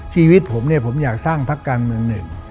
ชีวิตผมเนี่ยผมอยากสร้างพักการเมืองหนึ่ง